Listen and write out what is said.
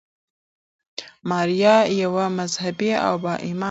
ماریا یوه مذهبي او با ایمانه نجلۍ ده.